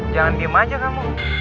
jangan diem aja kamu